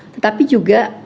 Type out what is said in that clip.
tetapi juga